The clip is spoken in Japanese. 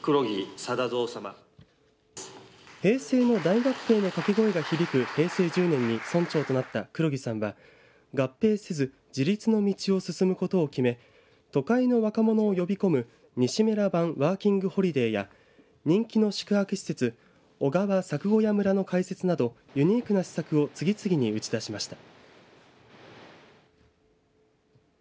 平成の大合併の掛け声が響く平成１０年に村長となった黒木さんは合併せず自立の道を進むことを決め都会の若者を呼び込む西米良版ワーキングホリデーや人気の宿泊施設おがわ作小屋村の開設などユニークな施策を次々に打ち出しました。